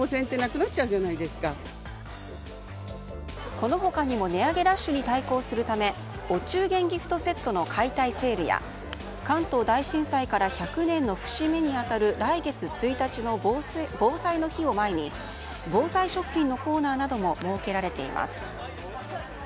この他にも値上げラッシュに対抗するためお中元ギフトセットの解体セールや関東大震災から１００年の節目に当たる来月１日の防災の日を前に防災食品のコーナーなども設けられています。